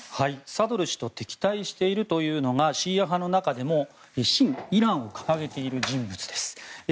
サドル師と敵対しているのがシーア派の中でも親イランを掲げる人物。